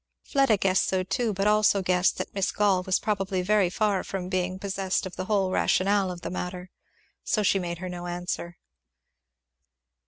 Fleda guessed so too; but also guessed that Miss Gall was probably very far from being possessed of the whole rationale of the matter. So she made her no answer.